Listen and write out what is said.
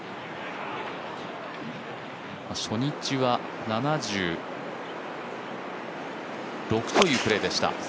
初日は７６というプレーでした。